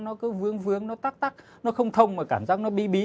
nó cứ vướng vướng nó tắc tắc nó không thông mà cảm giác nó bí bí